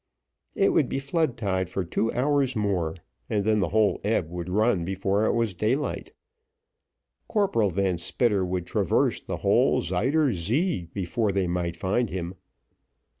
It would be flood tide for two hours more, and then the whole ebb would run before it was daylight. Corporal Van Spitter would traverse the whole Zuyder Zee before they might find him.